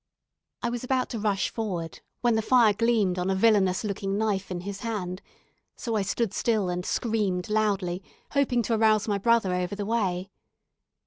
I was about to rush forward, when the fire gleamed on a villainous looking knife in his hand; so I stood still, and screamed loudly, hoping to arouse my brother over the way.